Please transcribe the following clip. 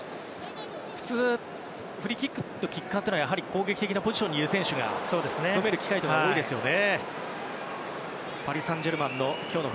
普通、フリーキックのキッカーはやはり攻撃的なポジションにいる選手が務めることが多いですよね。